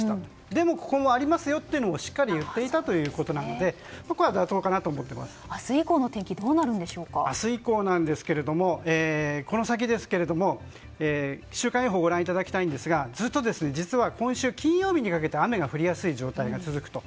でも、ここにありますよとしっかり言っていたということなので明日以降の天気明日以降ですがこの先週間予報をご覧いただきたいんですがずっと実は今週金曜日にかけて雨が降りやすい状態が続くと。